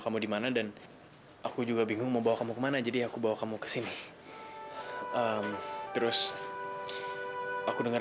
sampai jumpa di video selanjutnya